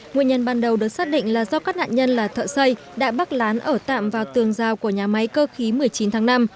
nguyên nhân ban đầu được xác định là do các nạn nhân là thợ xây đã bắt lán ở tạm vào tường rào của nhà máy cơ khí một mươi chín tháng năm